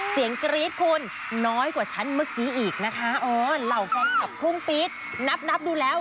กรี๊ดคุณน้อยกว่าฉันเมื่อกี้อีกนะคะเออเหล่าแฟนคลับพรุ่งปี๊ดนับนับดูแล้ว